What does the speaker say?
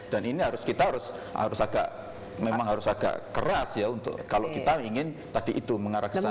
dan ini harus kita harus agak memang harus agak keras ya untuk kalau kita ingin tadi itu mengarahkan